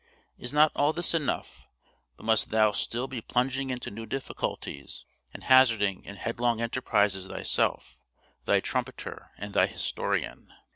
Is not all this enough, but must thou still be plunging into new difficulties, and hazarding in headlong enterprises thyself, thy trumpeter, and thy historian?